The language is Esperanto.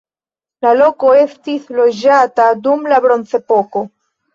La loko estis loĝata dum la bronzepoko.